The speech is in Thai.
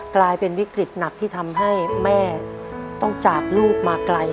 กลายเป็นวิกฤตหนักที่ทำให้แม่ต้องจากลูกมาไกล